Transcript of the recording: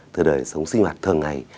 từ đời sống sinh hoạt thường ngày